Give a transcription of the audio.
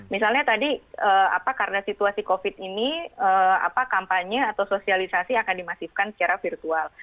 misalnya tadi karena situasi covid ini kampanye atau sosialisasi akan dimasifkan secara virtual